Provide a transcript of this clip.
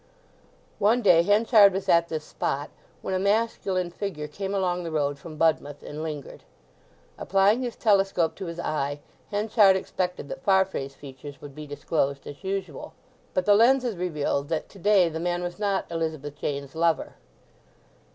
One day Henchard was at this spot when a masculine figure came along the road from Budmouth, and lingered. Applying his telescope to his eye Henchard expected that Farfrae's features would be disclosed as usual. But the lenses revealed that today the man was not Elizabeth Jane's lover.